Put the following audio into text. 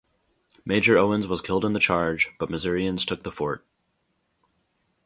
Major Owens was killed in the charge, but Missourians took the fort.